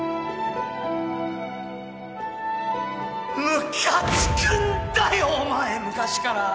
ムカつくんだよお前昔から！